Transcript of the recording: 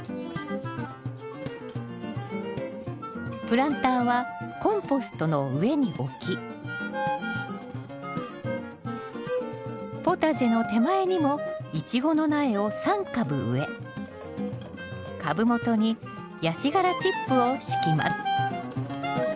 プランターはコンポストの上に置きポタジェの手前にもイチゴの苗を３株植え株元にヤシ殻チップを敷きます